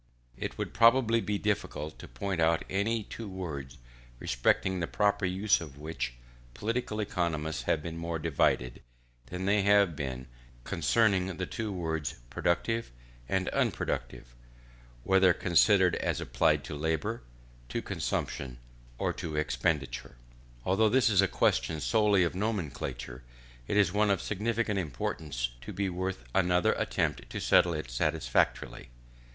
It would probably be difficult to point out any two words, respecting the proper use of which political economists have been more divided, than they have been concerning the two words productive and unproductive; whether considered as applied to labour, to consumption, or to expenditure. Although this is a question solely of nomenclature, it is one of sufficient importance to be worth another attempt to settle it satisfactorily.